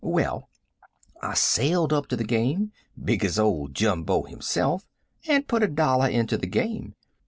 Well, I sailed up to the game, big as old Jumbo himself, and put a dollar into the game.